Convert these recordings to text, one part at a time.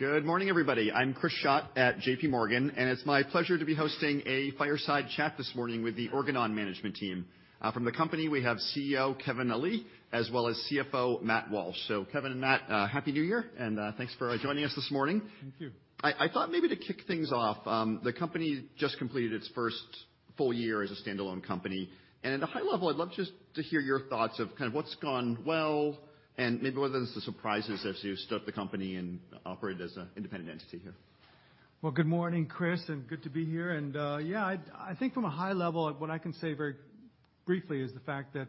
Good morning, everybody. I'm Chris Schott at JPMorgan. It's my pleasure to be hosting a fireside chat this morning with the Organon management team. From the company, we have CEO Kevin Ali, as well as CFO Matt Walsh. Kevin and Matt, happy new year and, thanks for joining us this morning. Thank you. I thought maybe to kick things off, the company just completed its first full-year as a standalone company. At a high level, I'd love just to hear your thoughts of kind of what's gone well, and maybe what are the surprises as you've stood up the company and operated as an independent entity here. Well, good morning, Chris, and good to be here. Yeah, I think from a high level, what I can say very briefly is the fact that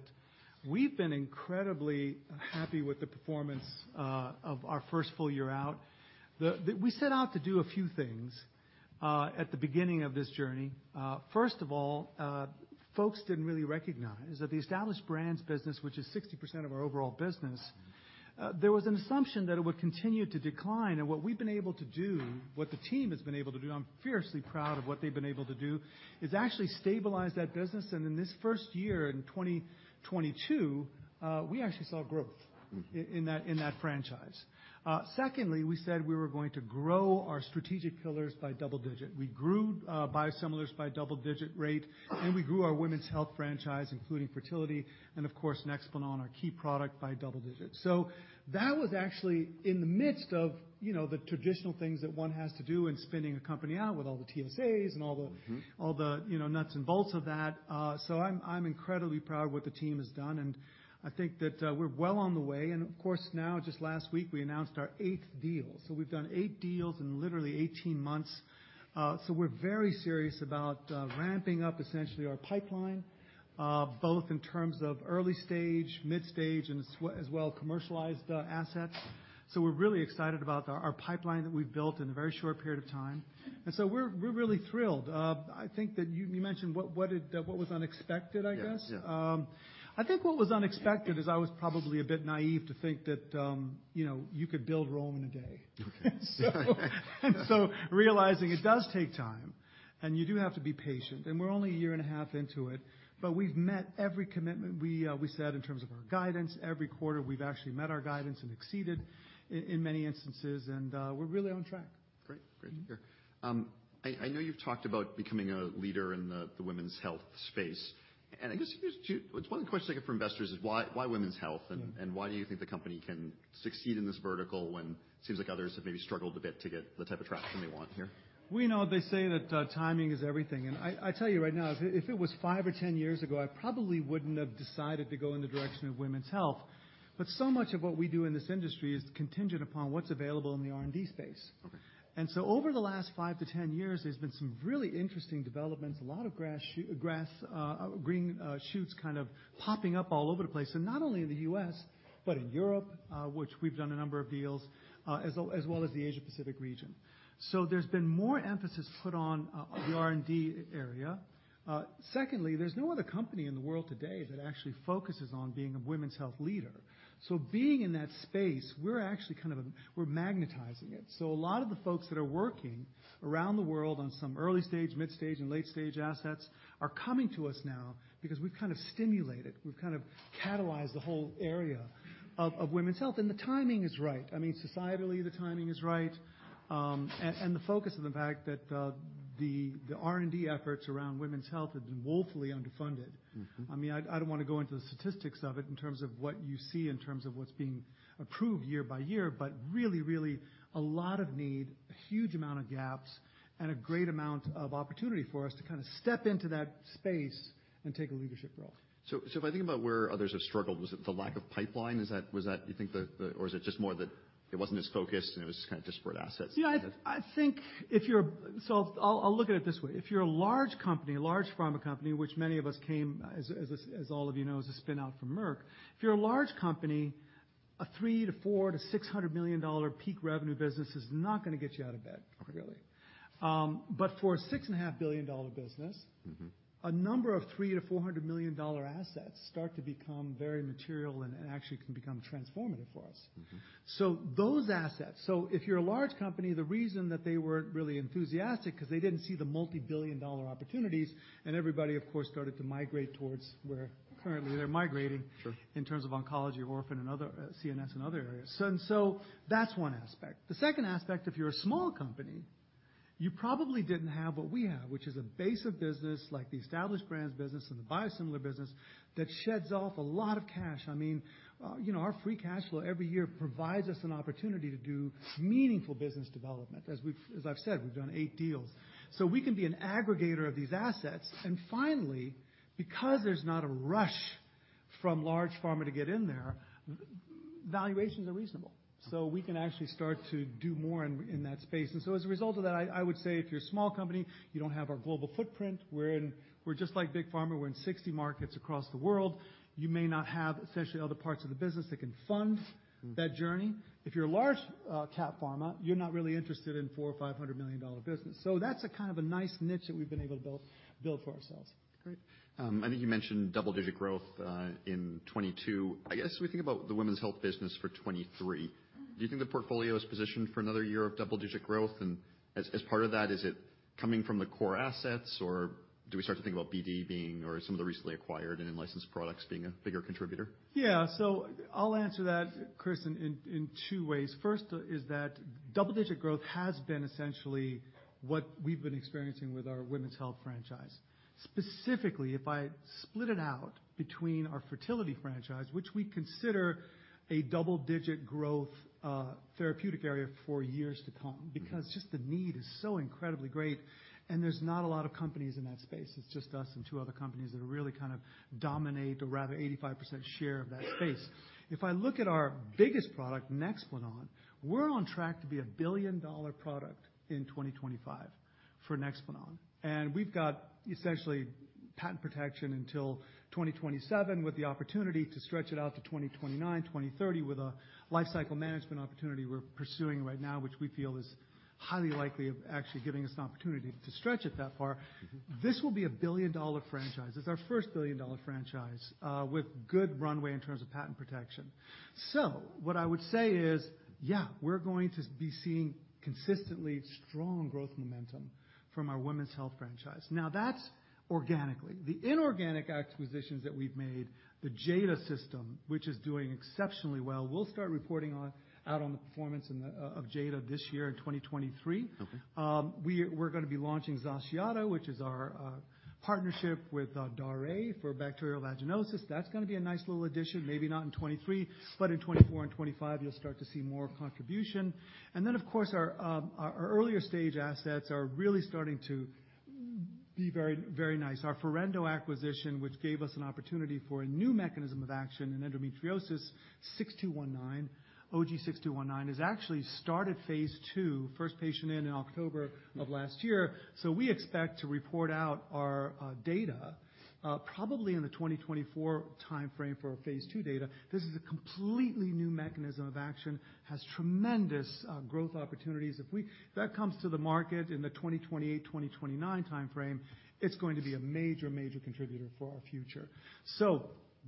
we've been incredibly happy with the performance of our first full-year out. We set out to do a few things at the beginning of this journey. First of all, folks didn't really recognize that the Established Brands business, which is 60% of our overall business, there was an assumption that it would continue to decline. What we've been able to do, what the team has been able to do, I'm fiercely proud of what they've been able to do, is actually stabilize that business. In this first year, in 2022, we actually saw growth in that, in that franchise. Secondly, we said we were going to grow our strategic pillars by double digit. We grew biosimilars by double-digit rate, and we grew our women's health franchise, including fertility, and of course, NEXPLANON, our key product, by double digit. That was actually in the midst of, you know, the traditional things that one has to do in spinning a company out with all the TSAs and all the... Mm-hmm. All the, you know, nuts and bolts of that. I'm incredibly proud of what the team has done, and I think that we're well on the way. Of course, now, just last week, we announced our eighth deal. We've done eight deals in literally 18 months. We're very serious about ramping up essentially our pipeline, both in terms of early stage, mid-stage, and as well commercialized assets. We're really excited about our pipeline that we've built in a very short period of time. We're really thrilled. I think that you mentioned what was unexpected, I guess. Yeah. Yeah. I think what was unexpected is I was probably a bit naive to think that, you know, you could build Rome in a day. Okay. Realizing it does take time, and you do have to be patient, and we're only a year and a half into it, but we've met every commitment we set in terms of our guidance. Every quarter, we've actually met our guidance and exceeded in many instances, and, we're really on track. Great. Great. Sure. I know you've talked about becoming a leader in the women's health space. I guess it's one question I get from investors is why women's health? Yeah. Why do you think the company can succeed in this vertical when seems like others have maybe struggled a bit to get the type of traction they want here? Well, you know, they say that timing is everything. I tell you right now, if it was five or 10 years ago, I probably wouldn't have decided to go in the direction of women's health. So much of what we do in this industry is contingent upon what's available in the R&D space. Okay. Over the last five to 10 years, there's been some really interesting developments, a lot of grass, green, shoots kind of popping up all over the place. Not only in the U.S., but in Europe, which we've done a number of deals, as well as the Asia Pacific region. There's been more emphasis put on the R&D area. Secondly, there's no other company in the world today that actually focuses on being a women's health leader. Being in that space, we're actually kind of, we're magnetizing it. A lot of the folks that are working around the world on some early stage, mid stage, and late stage assets are coming to us now because we've kind of stimulated, we've kind of catalyzed the whole area of women's health. The timing is right. I mean, societally, the timing is right. The focus of the fact that, the R&D efforts around women's health have been woefully underfunded. Mm-hmm. I mean, I don't wanna go into the statistics of it in terms of what you see in terms of what's being approved year by year. Really a lot of need, a huge amount of gaps, a great amount of opportunity for us to kinda step into that space and take a leadership role. If I think about where others have struggled, was it the lack of pipeline? Was that you think the Or is it just more that it wasn't as focused and it was kind of disparate assets? You know, I think I'll look at it this way. If you're a large company, a large pharma company, which many of us came, as all of you know, as a spin-out from Merck. If you're a large company, a $300 million-$400 million-$600 million peak revenue business is not gonna get you out of bed, really. For a $6.5 billion business... Mm-hmm. A number of $300 million-$400 million assets start to become very material and actually can become transformative for us. Mm-hmm. Those assets. If you're a large company, the reason that they weren't really enthusiastic 'cause they didn't see the multi-billion dollar opportunities, and everybody, of course, started to migrate towards where currently they're migrating. Sure. Sure. In terms of oncology, orphan, and other CNS and other areas. That's one aspect. The second aspect, if you're a small company, you probably didn't have what we have, which is a base of business like the Established Brands business and the biosimilar business that sheds off a lot of cash. I mean, you know, our free cash flow every year provides us an opportunity to do meaningful business development. As I've said, we've done eight deals. We can be an aggregator of these assets. Finally, because there's not a rush from large pharma to get in there, valuations are reasonable. We can actually start to do more in that space. As a result of that, I would say if you're a small company, you don't have our global footprint. We're just like big pharma. We're in 60 markets across the world. You may not have essentially other parts of the business that can fund that journey. If you're a large cap pharma, you're not really interested in a $400 million or $500 million business. That's a kind of a nice niche that we've been able to build for ourselves. Great. I think you mentioned double-digit growth in 2022. I guess we think about the women's health business for 2023. Do you think the portfolio is positioned for another year of double-digit growth? As, as part of that, is it coming from the core assets, or do we start to think about BD being or some of the recently acquired and in-licensed products being a bigger contributor? I'll answer that, Chris, in two ways. First is that double-digit growth has been essentially what we've been experiencing with our women's health franchise. Specifically, if I split it out between our fertility franchise, which we consider a double-digit growth, therapeutic area for years to come, because just the need is so incredibly great, and there's not a lot of companies in that space. It's just us and two other companies that are really kind of dominate, or rather 85% share of that space. If I look at our biggest product, NEXPLANON, we're on track to be a billion-dollar product in 2025 for NEXPLANON. We've got essentially patent protection until 2027, with the opportunity to stretch it out to 2029, 2030 with a lifecycle management opportunity we're pursuing right now, which we feel is highly likely of actually giving us an opportunity to stretch it that far. Mm-hmm. This will be a billion-dollar franchise. It's our first billion-dollar franchise, with good runway in terms of patent protection. What I would say is, yeah, we're going to be seeing consistently strong growth momentum from our women's health franchise. Now, that's organically. The inorganic acquisitions that we've made, the JADA System, which is doing exceptionally well. We'll start reporting out on the performance of JADA this year in 2023. Okay. We're gonna be launching XACIATO, which is our partnership with Daré for bacterial vaginosis. That's gonna be a nice little addition. Maybe not in 2023, but in 2024 and 2025, you'll start to see more contribution. Of course, our earlier stage assets are really starting to be very nice. Our Forendo acquisition, which gave us an opportunity for a new mechanism of action in endometriosis, OG-6219. OG-6219 has actually started phase II, first patient in in October of last year. We expect to report out our data probably in the 2024 timeframe for our phase II data. This is a completely new mechanism of action, has tremendous growth opportunities. That comes to the market in the 2028, 2029 timeframe, it's going to be a major contributor for our future.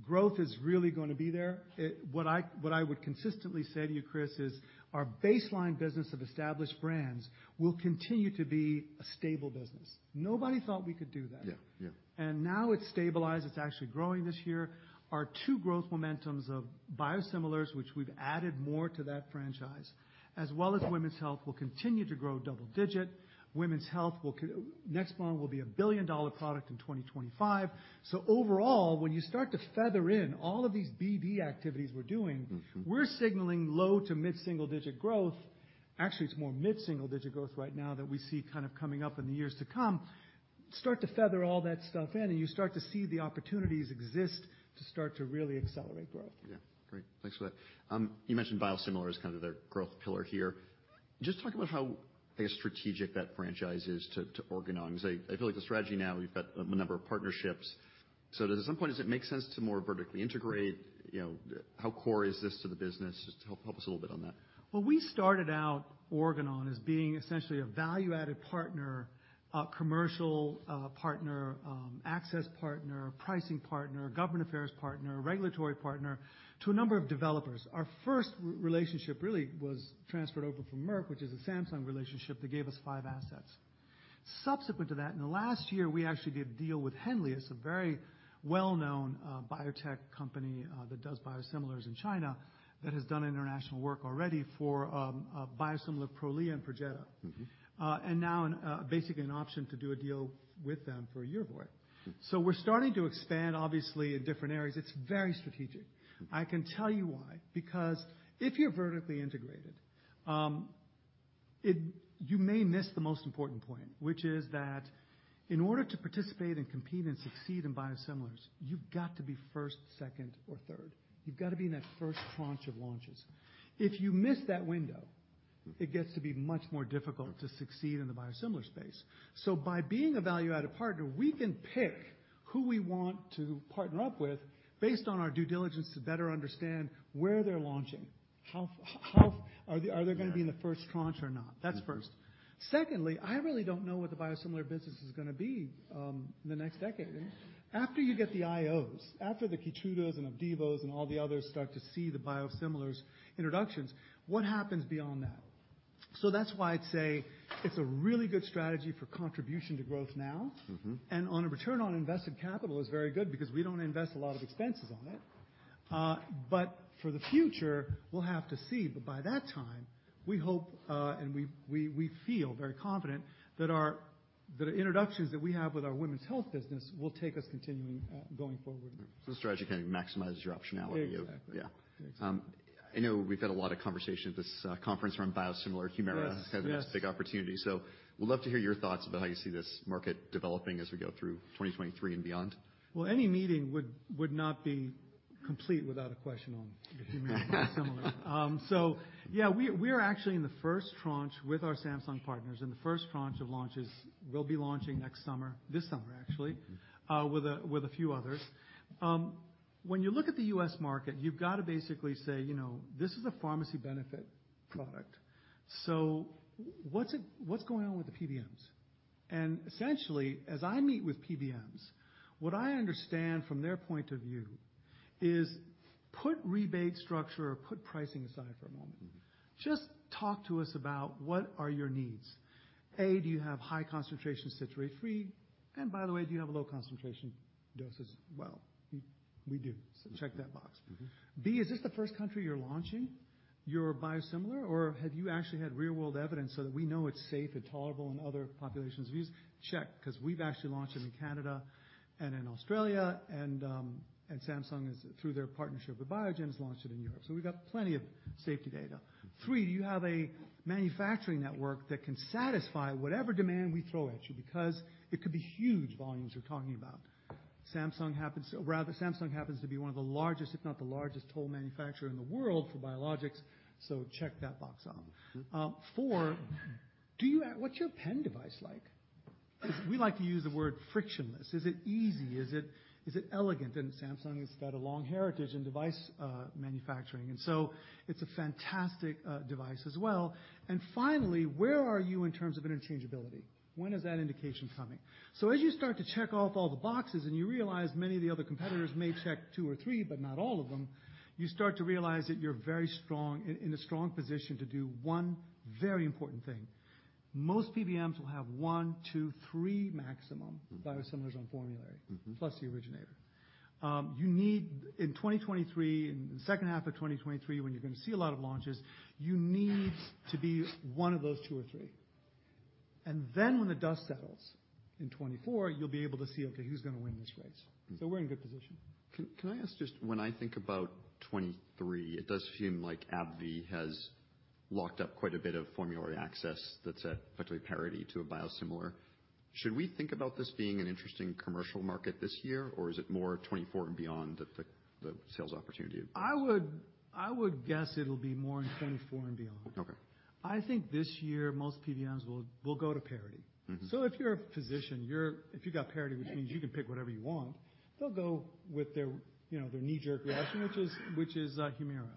Growth is really going to be there. What I would consistently say to you, Chris, is our baseline business of Established Brands will continue to be a stable business. Nobody thought we could do that. Yeah. Yeah. Now it's stabilized. It's actually growing this year. Our two growth momentums of biosimilars, which we've added more to that franchise, as well as women's health, will continue to grow double-digit. Women's health NEXPLANON will be a billion-dollar product in 2025. Overall, when you start to feather in all of these BD activities we're doing. Mm-hmm. We're signaling low to mid-single digit growth. Actually, it's more mid-single digit growth right now that we see kind of coming up in the years to come. Start to feather all that stuff in, you start to see the opportunities exist to start to really accelerate growth. Yeah. Great. Thanks for that. You mentioned biosimilar is kind of their growth pillar here. Just talk about how, I guess, strategic that franchise is to Organon? 'Cause I feel like the strategy now, you've got a number of partnerships. At some point, does it make sense to more vertically integrate? You know, how core is this to the business? Just help us a little bit on that. Well, we started out Organon as being essentially a value-added partner, a commercial partner, access partner, pricing partner, government affairs partner, regulatory partner to a number of developers. Our first relationship really was transferred over from Merck, which is a Samsung relationship that gave us five assets. Subsequent to that, in the last year, we actually did a deal with Henlius, a very well-known biotech company that does biosimilars in China that has done international work already for a biosimilar Prolia and Perjeta. Mm-hmm. Basically an option to do a deal with them for Yervoy. We're starting to expand, obviously, in different areas. It's very strategic. I can tell you why. If you're vertically integrated, you may miss the most important point, which is that in order to participate and compete and succeed in biosimilars, you've got to be first, second, or third. You've got to be in that first tranche of launches. If you miss that window. Mm. It gets to be much more difficult to succeed in the biosimilar space. By being a value-added partner, we can pick who we want to partner up with based on our due diligence to better understand where they're launching. Are they gonna be in the first tranche or not? Mm-hmm. That's first. Secondly, I really don't know what the biosimilar business is gonna be in the next decade. After you get the IOs, after the KEYTRUDA and OPDIVO and all the others start to see the biosimilars introductions, what happens beyond that? That's why I'd say it's a really good strategy for contribution to growth now. Mm-hmm. On a return on invested capital is very good because we don't invest a lot of expenses on it. For the future, we'll have to see. By that time, we hope, and we feel very confident that our, the introductions that we have with our women's health business will take us continuing, going forward. The strategy kind of maximizes your optionality. Exactly. Yeah. Exactly. I know we've had a lot of conversation at this conference around biosimilar HUMIRA. Yes. Yes. Kind of this big opportunity. Would love to hear your thoughts about how you see this market developing as we go through 2023 and beyond? Any meeting would not be complete without a question on HUMIRA biosimilar. Yeah, we're actually in the first tranche with our Samsung partners. In the first tranche of launches, we'll be launching next summer, this summer, actually. Mm-hmm. With a few others. When you look at the U.S. market, you've got to basically say, you know, this is a pharmacy benefit product. What's going on with the PBMs? Essentially, as I meet with PBMs, what I understand from their point of view is put rebate structure or put pricing aside for a moment. Mm-hmm. Just talk to us about what are your needs. A, do you have high concentration citrate-free? By the way, do you have low concentration doses? Well, we do. Check that box. Mm-hmm. B, is this the first country you're launching your biosimilar or have you actually had real-world evidence so that we know it's safe and tolerable in other populations we've used? Check, 'cause we've actually launched it in Canada and in Australia, and Samsung, through their partnership with Biogen, has launched it in Europe. We've got plenty of safety data. Three, do you have a manufacturing network that can satisfy whatever demand we throw at you? Because it could be huge volumes you're talking about. Samsung happens to be one of the largest, if not the largest total manufacturer in the world for biologics, so check that box off. Four, what's your pen device like? We like to use the word frictionless. Is it easy? Is it elegant? Samsung has got a long heritage in device, manufacturing, and so it's a fantastic device as well. Finally, where are you in terms of interchangeability? When is that indication coming? As you start to check off all the boxes and you realize many of the other competitors may check two or three, but not all of them, you start to realize that you're very strong, in a strong position to do one very important thing. Most PBMs will have one, two, three maximum biosimilars on formulary. Mm-hmm. The originator. In 2023, in the second half of 2023, when you're gonna see a lot of launches, you need to be one of those two or three. When the dust settles in 2024, you'll be able to see, okay, who's gonna win this race. Mm-hmm. We're in a good position. Can I ask just when I think about 2023, it does seem like AbbVie has locked up quite a bit of formulary access that's at effectively parity to a biosimilar. Should we think about this being an interesting commercial market this year, or is it more 2024 and beyond the sales opportunity? I would guess it'll be more in 2024 and beyond. Okay. I think this year most PBMs will go to parity. Mm-hmm. If you're a physician, If you got parity, which means you can pick whatever you want, they'll go with their, you know, their knee-jerk reaction, which is HUMIRA.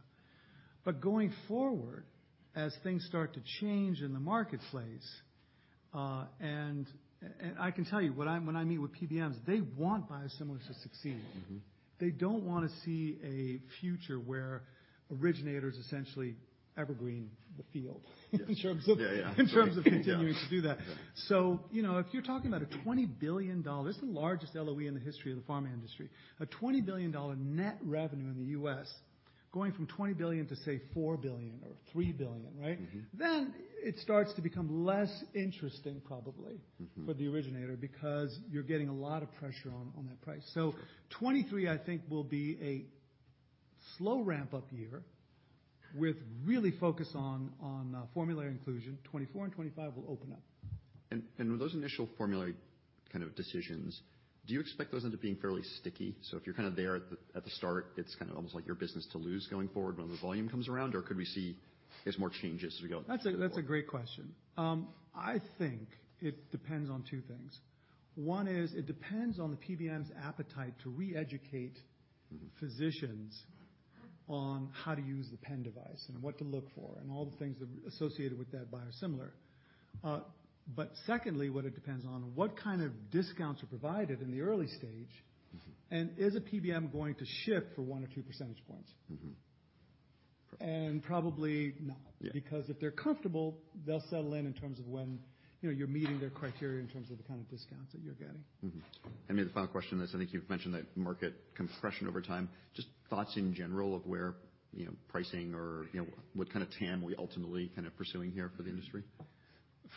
Going forward, as things start to change in the marketplace, and I can tell you, when I meet with PBMs, they want biosimilars to succeed. Mm-hmm. They don't wanna see a future where originators essentially evergreen the field. Yes. Yeah, yeah. In terms of continuing to do that. Yeah. You know, if you're talking about a $20 billion. This is the largest LOE in the history of the pharma industry. A $20 billion net revenue in the U.S., going from $20 billion to, say, $4 billion or $3 billion, right? Mm-hmm. It starts to become less interesting probably. Mm-hmm. For the originator because you're getting a lot of pressure on that price. 2023, I think, will be a slow ramp-up year with really focus on formulary inclusion. 2024 and 2025 will open up. With those initial formulary kind of decisions, do you expect those end up being fairly sticky? If you're kinda there at the start, it's kind of almost like your business to lose going forward when the volume comes around? Could we see there's more changes as we go forward? That's a great question. I think it depends on two things. One is it depends on the PBM's appetite to re-educate physicians. Mm-hmm. On how to use the pen device and what to look for, and all the things associated with that biosimilar. Secondly, what it depends on, what kind of discounts are provided in the early stage... Mm-hmm. Is a PBM going to shift for one or 2 percentage points? Mm-hmm. Probably not. Yeah. If they're comfortable, they'll settle in in terms of when, you know, you're meeting their criteria in terms of the kind of discounts that you're getting. Maybe the final question on this, I think you've mentioned that market compression over time. Just thoughts in general of where, you know, pricing or, you know, what kind of TAM are we ultimately kind of pursuing here for the industry?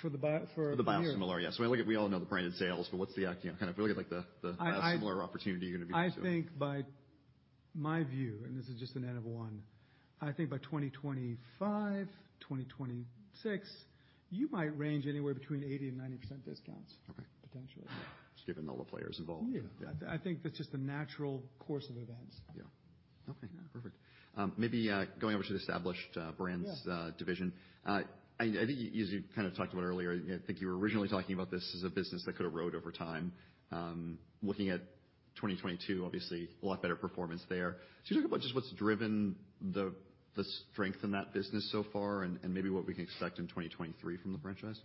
For HUMIRA? For the biosimilar, yeah. Like we all know the branded sales, but what's the, you know, kind of feel like the biosimilar opportunity going to be? I think by My view, and this is just an N of one, I think by 2025, 2026, you might range anywhere between 80% and 90% discounts. Okay. Potentially. Just given all the players involved. Yeah. I think that's just the natural course of events. Yeah. Okay, perfect. Maybe going over to the Established Brands division. I think as you kind of talked about earlier, I think you were originally talking about this as a business that could erode over time. Looking at 2022, obviously a lot better performance there. Could you talk about just what's driven the strength in that business so far and maybe what we can expect in 2023 from the franchise?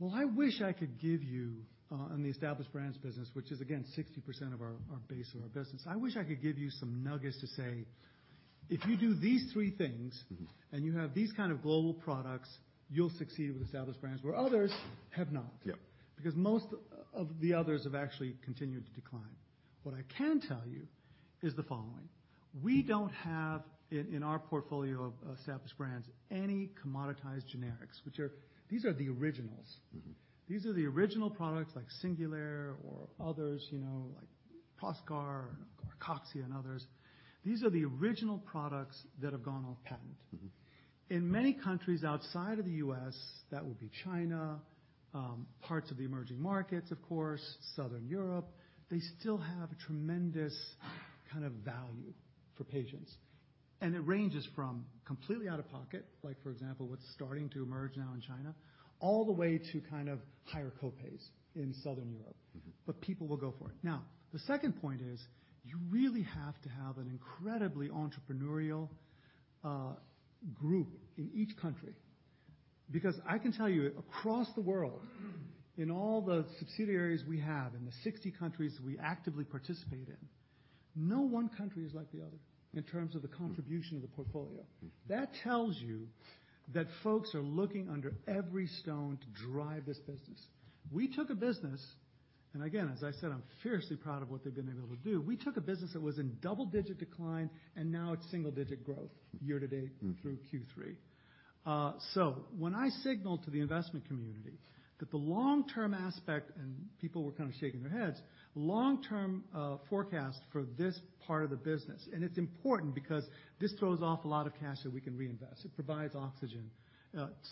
Well, I wish I could give you, on the Established Brands business, which is again 60% of our base of our business. I wish I could give you some nuggets to say, if you do these three things- Mm-hmm. You have these kind of global products, you'll succeed with Established Brands, where others have not. Yeah. Most of the others have actually continued to decline. What I can tell you is the following: We don't have in our portfolio of Established Brands any commoditized generics, these are the originals. Mm-hmm. These are the original products like SINGULAIR or others, you know, like Proscar or Arcoxia and others. These are the original products that have gone off patent. Mm-hmm. In many countries outside of the U.S., that would be China, parts of the emerging markets, of course, Southern Europe, they still have a tremendous kind of value for patients. It ranges from completely out of pocket, like for example, what's starting to emerge now in China, all the way to kind of higher co-pays in Southern Europe. Mm-hmm. People will go for it. Now, the second point is, you really have to have an incredibly entrepreneurial group in each country, because I can tell you across the world, in all the subsidiaries we have, in the 60 countries we actively participate in, no one country is like the other in terms of the contribution of the portfolio. Mm-hmm. That tells you that folks are looking under every stone to drive this business. Again, as I said, I'm fiercely proud of what they've been able to do. We took a business that was in double-digit decline, and now it's single-digit growth year-to-date. Mm-hmm. Through Q3. When I signal to the investment community that the long-term aspect, and people were kind of shaking their heads, long-term forecast for this part of the business. It's important because this throws off a lot of cash that we can reinvest. It provides oxygen,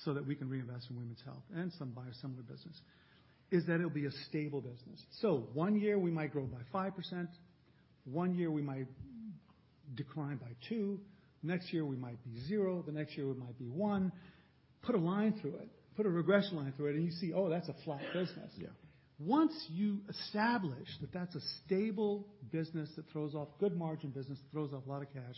so that we can reinvest in women's health and some biosimilar business, is that it'll be a stable business. One year we might grow by 5%, one year we might decline by two, next year we might be zero, the next year we might be one. Put a line through it. Put a regression line through it and you see, oh, that's a flat business. Yeah. Once you establish that that's a stable business that throws off good margin business, throws off a lot of cash,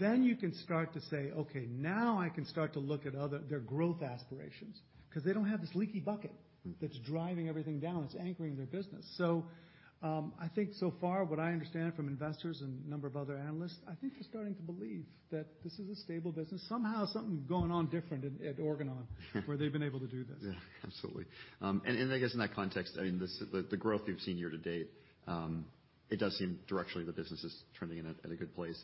then you can start to say, "Okay, now I can start to look at other... their growth aspirations." Because they don't have this leaky bucket that's driving everything down. It's anchoring their business. I think so far what I understand from investors and a number of other analysts, I think they're starting to believe that this is a stable business. Somehow something's going on different at Organon where they've been able to do this. Yeah. Absolutely. I guess in that context, I mean, this, the growth we've seen year-to-date, it does seem directionally the business is trending in a, at a good place.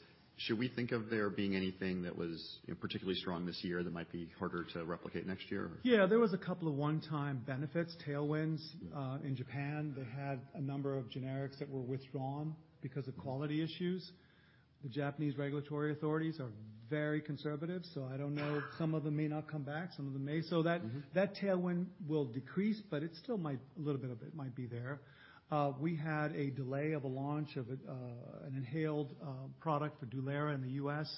Should we think of there being anything that was, you know, particularly strong this year that might be harder to replicate next year? Yeah. There was a couple of one-time benefits, tailwinds. In Japan, they had a number of generics that were withdrawn because of quality issues. The Japanese regulatory authorities are very conservative, I don't know, some of them may not come back, some of them may. Mm-hmm. That tailwind will decrease, but it still might... little bit of it might be there. We had a delay of an inhaled product for DULERA in the U.S.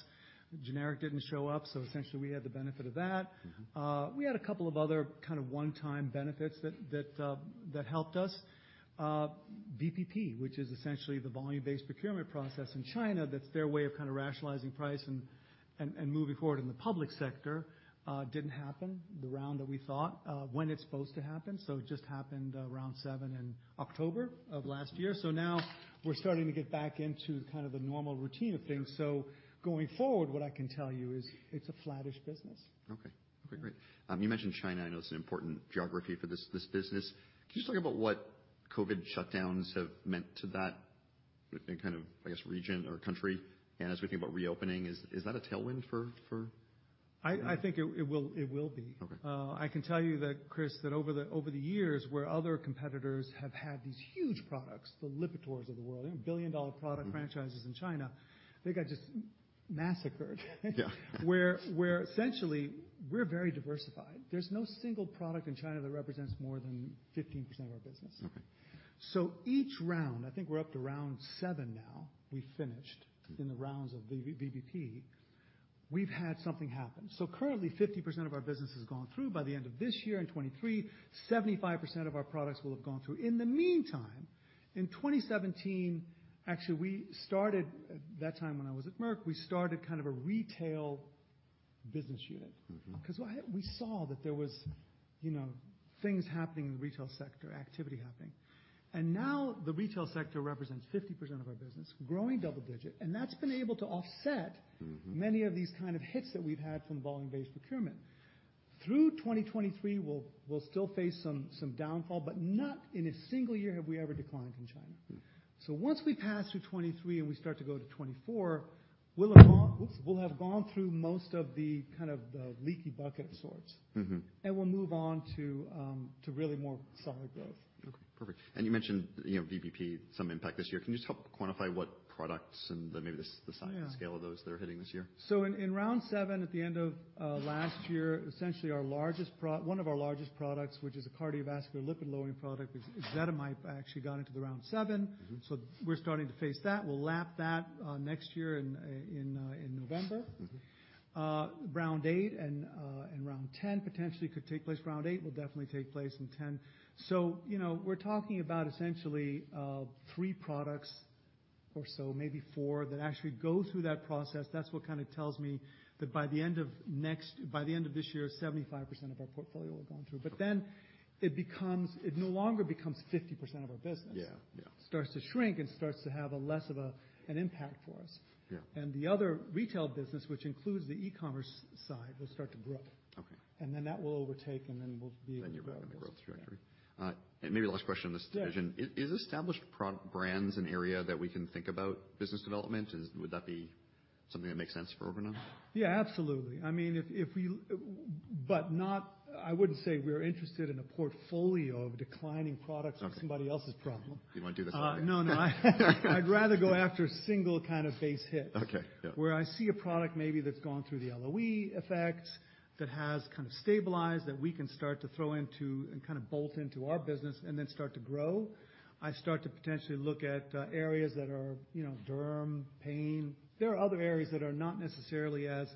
Generic didn't show up, so essentially we had the benefit of that. Mm-hmm. We had a couple of other kind of one-time benefits that helped us. VPP, which is essentially the volume-based procurement process in China, that's their way of kind of rationalizing price and moving forward in the public sector, didn't happen the round that we thought when it's supposed to happen. It just happened around October 7 of last year. Now we're starting to get back into kind of the normal routine of things. Going forward, what I can tell you is it's a flattish business. Okay. Okay, great. You mentioned China. I know it's an important geography for this business. Can you just talk about what COVID shutdowns have meant to that kind of, I guess, region or country? As we think about reopening, is that a tailwind for? I think it will be. Okay. I can tell you that, Chris, that over the years, where other competitors have had these huge products, the Lipitor of the world, you know, $1 billion product franchises in China, they got just massacred. Yeah. Where essentially, we're very diversified. There's no single product in China that represents more than 15% of our business. Okay. Each round, I think we're up to round seven now, we finished in the rounds of VPP, we've had something happen. Currently 50% of our business has gone through. By the end of this year, in 2023, 75% of our products will have gone through. In the meantime, in 2017, actually, we started, at that time when I was at Merck, we started kind of a retail business unit. Mm-hmm. 'Cause what we saw that there was, you know, things happening in the retail sector, activity happening. Now the retail sector represents 50% of our business, growing double digit. That's been able to offset- Mm-hmm. Many of these kind of hits that we've had from volume-based procurement. Through 2023, we'll still face some downfall, but not in a single year have we ever declined in China. Mm. Once we pass through 2023 and we start to go to 2024, Oops. We'll have gone through most of the kind of the leaky bucket of sorts. Mm-hmm. We'll move on to really more solid growth. Okay. Perfect. You mentioned, you know, VPP, some impact this year. Can you just help quantify what products and the, maybe the si-? Yeah. Scale of those that are hitting this year? In round seven, at the end of last year, essentially one of our largest products, which is a cardiovascular lipid-lowering product, is ZETIA, might actually got into the round seven. Mm-hmm. We're starting to face that. We'll lap that next year in November. Mm-hmm. Round eight and round 10 potentially could take place. Round eight will definitely take place in 10. you know, we're talking about essentially three products or so, maybe four, that actually go through that process. That's what tells me that by the end of this year, 75% of our portfolio will have gone through. It becomes it no longer becomes 50% of our business. Yeah. Yeah. It starts to shrink and starts to have an impact for us. Yeah. The other retail business, which includes the e-commerce side, will start to grow. Okay. That will overtake, and then. You're in the growth trajectory. Maybe the last question on this division. Yeah. Is established pro-brands an area that we can think about business development? Would that be something that makes sense for Organon? Yeah, absolutely. I mean, I wouldn't say we're interested in a portfolio of declining products. Okay. That's somebody else's problem. You wanna do this all alone. No. I'd rather go after a single kind of base hit. Okay. Yeah. Where I see a product maybe that's gone through the LOE effect, that has kind of stabilized, that we can start to throw into and kind of bolt into our business and then start to grow. I start to potentially look at areas that are, you know, derm, pain. There are other areas that are not necessarily as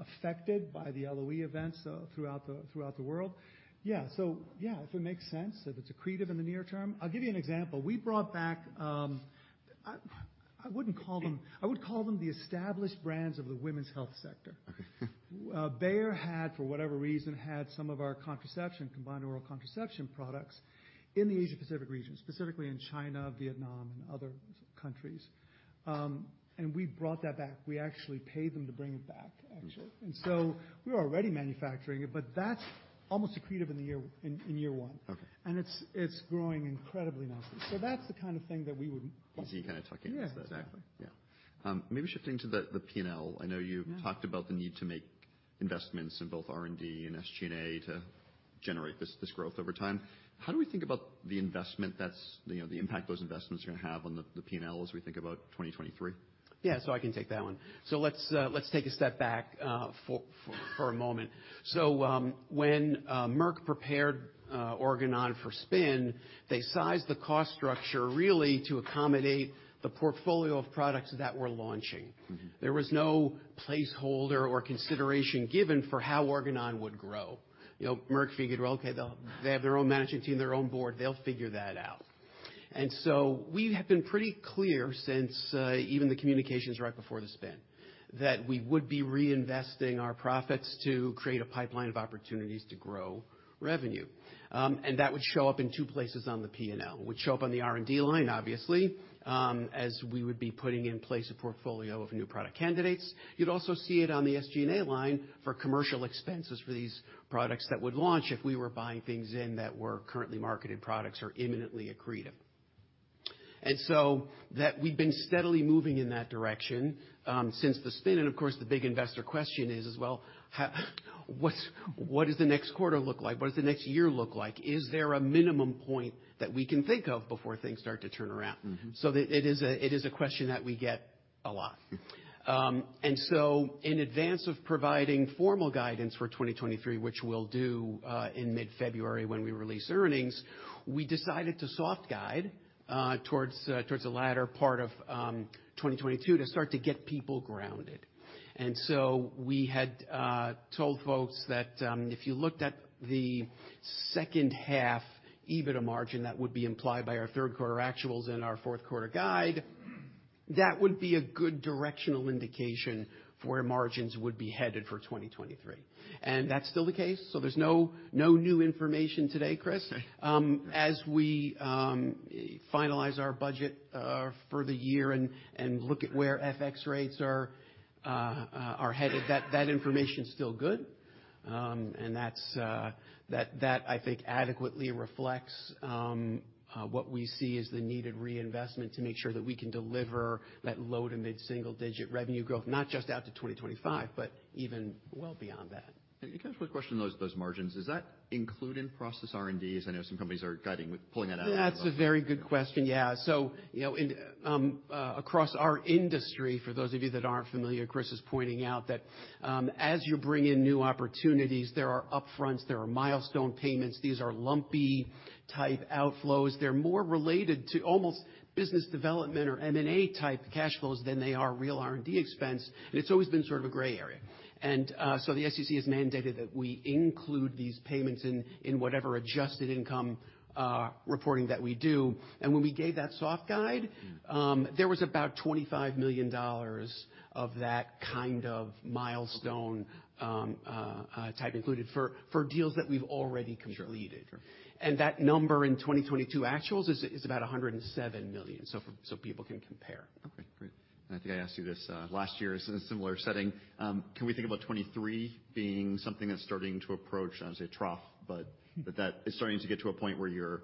affected by the LOE events, throughout the world. Yeah. If it makes sense, if it's accretive in the near term. I'll give you an example. We brought back, I would call them the Established Brands of the women's health sector. Okay. Bayer had, for whatever reason, had some of our contraception, combined oral contraception products in the Asia Pacific region, specifically in China, Vietnam, and other countries. We brought that back. We actually paid them to bring it back, actually. Mm-hmm. We're already manufacturing it, but that's almost accretive in the year, in year one. Okay. It's growing incredibly nicely. That's the kind of thing that we. Easy to kind of tuck in. Yeah. Exactly, yeah. Maybe shifting to the P&L. Yeah. Talked about the need to make investments in both R&D and SG&A to generate this growth over time. How do we think about the investment that's, you know, the impact those investments are gonna have on the P&L as we think about 2023? Yeah. I can take that one. Let's take a step back, for a moment. When Merck prepared Organon for spin, they sized the cost structure really to accommodate the portfolio of products that we're launching. Mm-hmm. There was no placeholder or consideration given for how Organon would grow. You know, Merck figured, well, okay, they have their own management team, their own board, they'll figure that out. We have been pretty clear since even the communications right before the spin, that we would be reinvesting our profits to create a pipeline of opportunities to grow revenue. That would show up in two places on the P&L. It would show up on the R&D line, obviously, as we would be putting in place a portfolio of new product candidates. You'd also see it on the SG&A line for commercial expenses for these products that would launch if we were buying things in that were currently marketed products or imminently accretive. That we've been steadily moving in that direction since the spin. Of course, the big investor question is well, what does the next quarter look like? What does the next year look like? Is there a minimum point that we can think of before things start to turn around? Mm-hmm. It is a question that we get a lot. In advance of providing formal guidance for 2023, which we'll do in mid-February when we release earnings, we decided to soft guide towards the latter part of 2022 to start to get people grounded. We had told folks that if you looked at the second half EBITDA margin, that would be implied by our third quarter actuals and our fourth quarter guide, that would be a good directional indication for where margins would be headed for 2023. That's still the case, so there's no new information today, Chris. As we finalize our budget for the year and look at where FX rates are headed, that information's still good. That's, that I think adequately reflects what we see as the needed reinvestment to make sure that we can deliver that low to mid-single digit revenue growth, not just out to 2025, but even well beyond that. Can I just quick question those margins? Is that included in-process R&D? I know some companies are guiding with pulling that out. That's a very good question. Yeah. You know, across our industry, for those of you that aren't familiar, Chris is pointing out that, as you bring in new opportunities, there are upfronts, there are milestone payments. These are lumpy type outflows. They're more related to almost business development or M&A type cash flows than they are real R&D expense. It's always been sort of a gray area. The SEC has mandated that we include these payments in whatever adjusted income reporting that we do. When we gave that soft guide- Mm-hmm. There was about $25 million of that kind of milestone. Okay. Type included for deals that we've already completed. Sure. That number in 2022 actuals is about $107 million. So people can compare. Okay, great. I think I asked you this last year in a similar setting. Can we think about 2023 being something that's starting to approach, I would say trough, but that it's starting to get to a point where your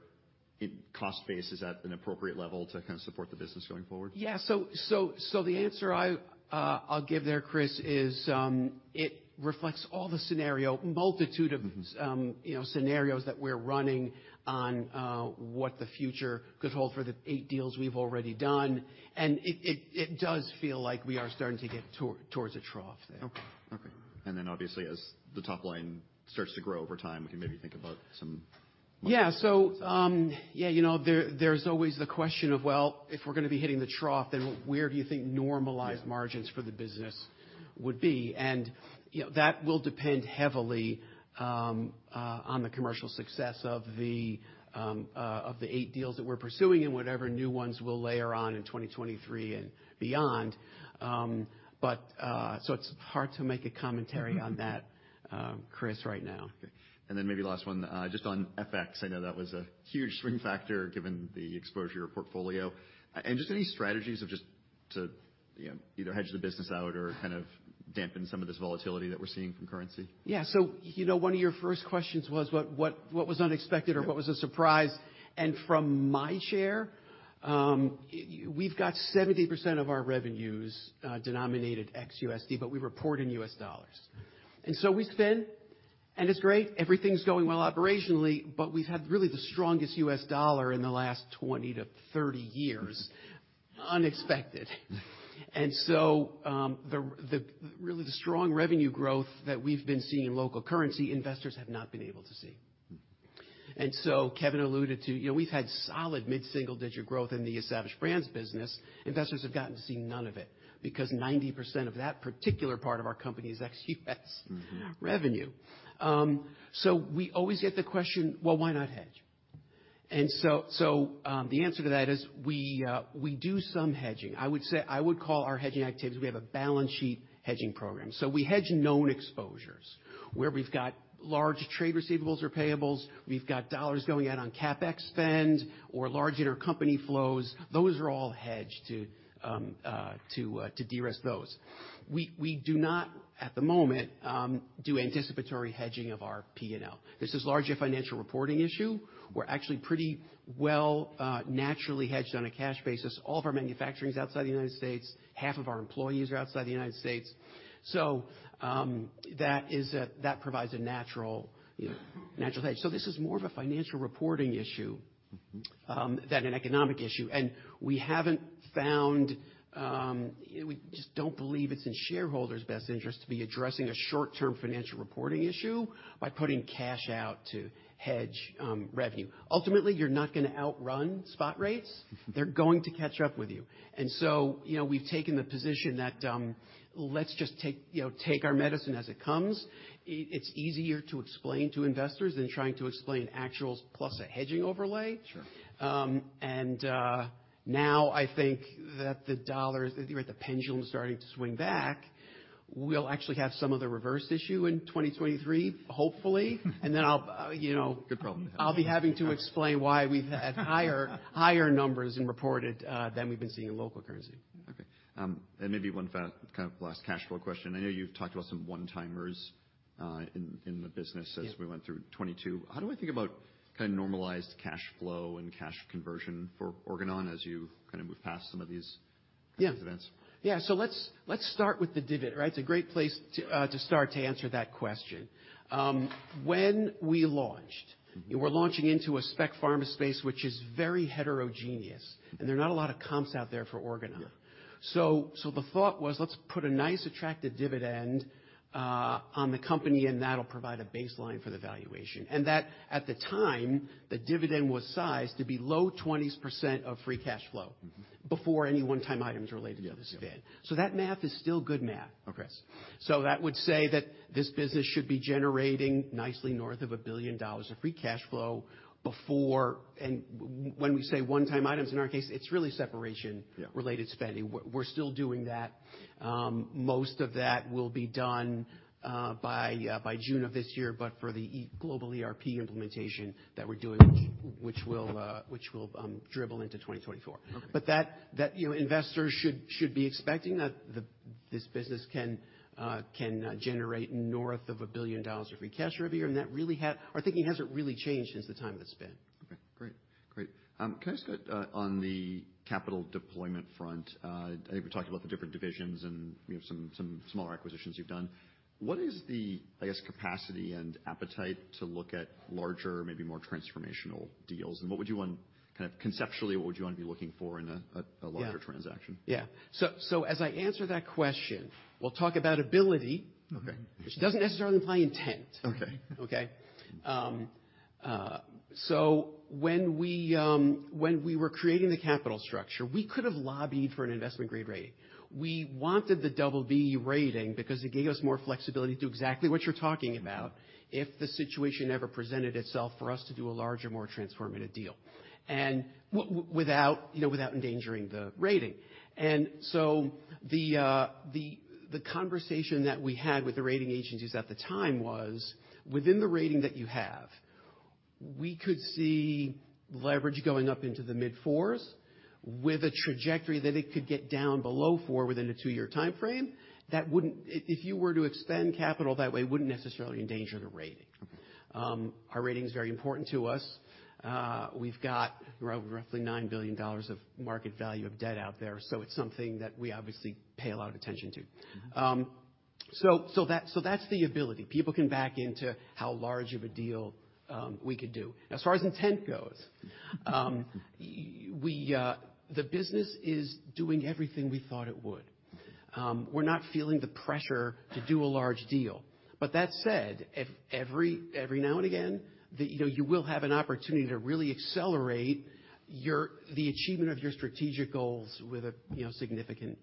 cost base is at an appropriate level to kind of support the business going forward? Yeah. The answer I'll give there, Chris, is it reflects all the scenario. Mm-hmm. You know, scenarios that we're running on what the future could hold for the eight deals we've already done. It does feel like we are starting to get towards a trough there. Okay. Obviously as the top line starts to grow over time, we can maybe think about. Yeah. yeah, you know, there's always the question of, well, if we're gonna be hitting the trough, then where do you think normalized margins for the business would be? You know, that will depend heavily, on the commercial success of the eight deals that we're pursuing and whatever new ones we'll layer on in 2023 and beyond. It's hard to make a commentary on that. Mm-hmm. Chris, right now. Okay. Then maybe last one, just on FX. I know that was a huge swing factor given the exposure of portfolio, just any strategies of just to, you know, either hedge the business out or kind of dampen some of this volatility that we're seeing from currency? Yeah. you know, one of your first questions was what was unexpected or what was a surprise. From my chair, we've got 70% of our revenues, denominated ex-USD, but we report in U.S. dollars. We spend, and it's great, everything's going well operationally, but we've had really the strongest U.S. dollar in the last 20 to 30 years. Unexpected. The really the strong revenue growth that we've been seeing in local currency, investors have not been able to see. Mm-hmm. Kevin alluded to, you know, we've had solid mid-single digit growth in the Established Brands business. Investors have gotten to see none of it, because 90% of that particular part of our company is ex-U.S. revenue. We always get the question, "Well, why not hedge?" The answer to that is we do some hedging. I would call our hedging activities, we have a balance sheet hedging program. We hedge known exposures where we've got large trade receivables or payables, we've got dollars going out on CapEx spend or large intercompany flows. Those are all hedged to de-risk those. We do not at the moment do anticipatory hedging of our P&L. This is largely a financial reporting issue. We're actually pretty well naturally hedged on a cash basis. All of our manufacturing's outside the United States. Half of our employees are outside the United States. That provides a natural, you know, natural hedge. This is more of a financial reporting issue. Mm-hmm. Than an economic issue. We haven't found, we just don't believe it's in shareholders' best interest to be addressing a short-term financial reporting issue by putting cash out to hedge, revenue. Ultimately, you're not gonna outrun spot rates. They're going to catch up with you. You know, we've taken the position that, let's just take, you know, take our medicine as it comes. It's easier to explain to investors than trying to explain actuals plus a hedging overlay. Sure. Now I think that the dollar, the pendulum is starting to swing back. We'll actually have some of the reverse issue in 2023, hopefully. I'll, you know. Good problem to have. I'll be having to explain why we've had higher numbers and reported than we've been seeing in local currency. Okay. Maybe one kind of last cash flow question? I know you've talked about some one-timers in the business. Yeah. As we went through 2022. How do we think about kind of normalized cash flow and cash conversion for Organon as you kind of move past some of these... Yeah. Events? Yeah. Let's start with the divot, right? It's a great place to start to answer that question. When we launched, we're launching into a spec pharma space, which is very heterogeneous, and there are not a lot of comps out there for Organon. Yeah. The thought was let's put a nice attractive dividend on the company and that'll provide a baseline for the valuation. At the time, the dividend was sized to be low 20% of free cash flow. Mm-hmm. Before any one-time items related to the spin. Yeah. Yeah. That math is still good math. Okay. That would say that this business should be generating nicely north of $1 billion of free cash flow before. When we say one-time items, in our case, it's really separation. Yeah. Related spending. We're still doing that. Most of that will be done by June of this year, but for the global ERP implementation that we're doing, which will dribble into 2024. Okay. That, you know, investors should be expecting that this business can generate north of $1 billion of free cash every year. That really our thinking hasn't really changed since the time of the spin. Okay, great. Great. Can I start on the capital deployment front? I know we talked about the different divisions and we have some smaller acquisitions you've done. What is the, I guess, capacity and appetite to look at larger, maybe more transformational deals? What kind of conceptually, what would you want to be looking for in a larger transaction? Yeah. as I answer that question, we'll talk about. Okay. Which doesn't necessarily imply intent. Okay. Okay? When we, when we were creating the capital structure, we could have lobbied for an investment-grade rating. We wanted the BB rating because it gave us more flexibility to do exactly what you're talking about if the situation ever presented itself for us to do a larger, more transformative deal, and without, you know, without endangering the rating. The conversation that we had with the rating agencies at the time was within the rating that you have, we could see leverage going up into the mid-4s with a trajectory that it could get down below four within a two-year timeframe. That wouldn't. If you were to expend capital that way, it wouldn't necessarily endanger the rating. Okay. Our rating is very important to us. We've got roughly $9 billion of market value of debt out there. It's something that we obviously pay a lot of attention to. Mm-hmm. So that's the ability. People can back into how large of a deal we could do. As far as intent goes, we, the business is doing everything we thought it would. We're not feeling the pressure to do a large deal. That said, if every now and again, that, you know, you will have an opportunity to really accelerate your the achievement of your strategic goals with a, you know, significant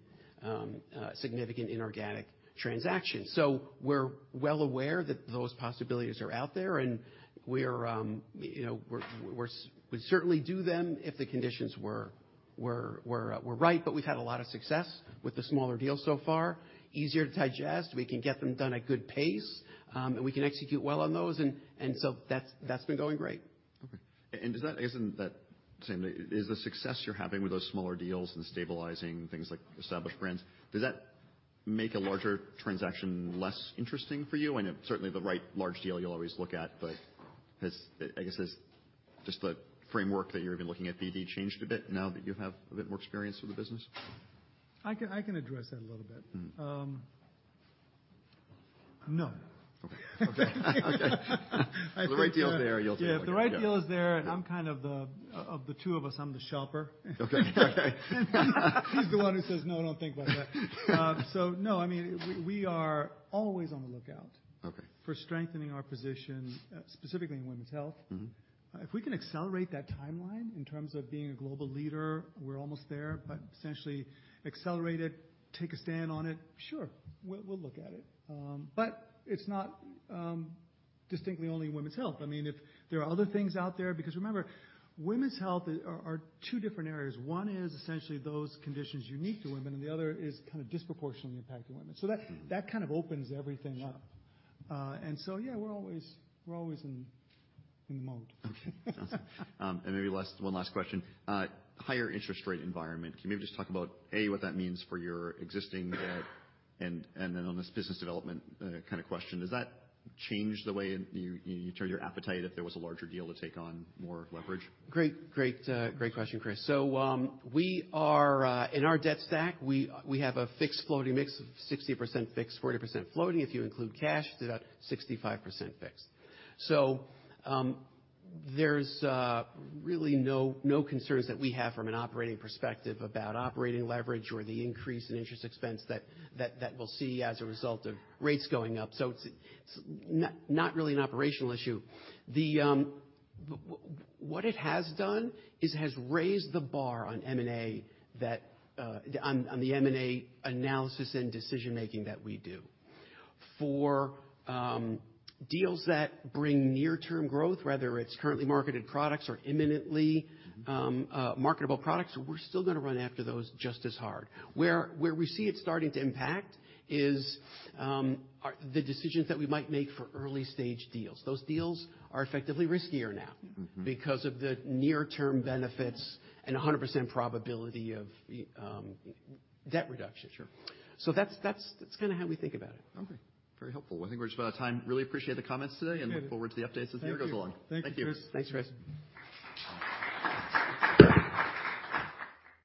inorganic transaction. We're well aware that those possibilities are out there, and we're, you know, we'd certainly do them if the conditions were right. We've had a lot of success with the smaller deals so far. Easier to digest. We can get them done at good pace, and we can execute well on those. That's been going great. Okay. Isn't that saying that? Is the success you're having with those smaller deals and stabilizing things like Established Brands, does that make a larger transaction less interesting for you? I know certainly the right large deal you'll always look at, I guess has just the framework that you're even looking at BD changed a bit now that you have a bit more experience with the business? I can address that a little bit. Mm-hmm. No. Okay. I think. The right deal is there, you'll take it. Yeah, if the right deal is there, and I'm kind of the, of the two of us, I'm the sharper. Okay. He's the one who says, "No, don't think about that." No. I mean, we are always on the lookout... Okay. For strengthening our position, specifically in women's health. Mm-hmm. If we can accelerate that timeline. In terms of being a global leader, we're almost there. Essentially accelerate it, take a stand on it. Sure. We'll look at it. But it's not distinctly only women's health. I mean, if there are other things out there, Remember, women's health are two different areas. One is essentially those conditions unique to women, and the other is kind of disproportionately impacting women. Mm-hmm. That kind of opens everything up. Sure. Yeah, we're always in the mode. Okay. Sounds good. Maybe one last question. Higher interest rate environment. Can you maybe just talk about, A, what that means for your existing debt, and then on this business development, kind of question, does that change the way you turn your appetite if there was a larger deal to take on more leverage? Great question, Chris. We are in our debt stack, we have a fixed floating mix of 60% fixed, 40% floating. If you include cash, about 65% fixed. There's really no concerns that we have from an operating perspective about operating leverage or the increase in interest expense that we'll see as a result of rates going up. It's not really an operational issue. What it has done is it has raised the bar on M&A that on the M&A analysis and decision-making that we do. For deals that bring near-term growth, whether it's currently marketed products or imminently- Mm-hmm. Marketable products, we're still gonna run after those just as hard. Where we see it starting to impact is the decisions that we might make for early-stage deals. Those deals are effectively riskier now. Mm-hmm. Because of the near-term benefits and 100% probability of, debt reduction. Sure. That's kinda how we think about it. Okay. Very helpful. I think we're just about out of time. Really appreciate the comments today. Good. And look forward to the updates as the year goes along. Thank you. Thank you. Thanks, Chris.